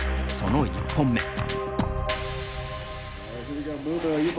その１本目。